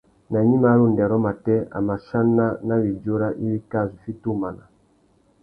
Nà gnïmá râ undêrô matê, a mà chana nà widjura iwí kā zu fiti umana.